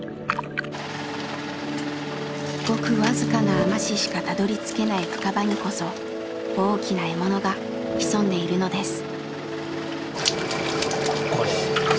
ごく僅かな海士しかたどりつけない深場にこそ大きな獲物が潜んでいるのです。